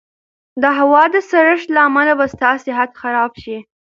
د هوا د سړښت له امله به ستا صحت خراب شي.